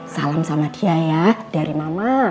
salam sama dia ya dari mama